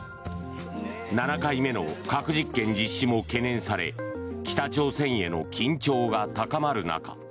７回目の核実験実施も懸念され北朝鮮への緊張が高まる中